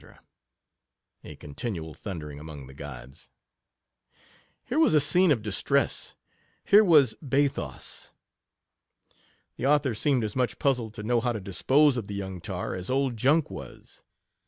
(a continual thundering among the gods). Here was a scene of distress — here was bathos. The author seemed as much puzzled to know how to dispose of the young tar, as old Junk was.